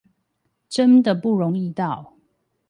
真的不容易到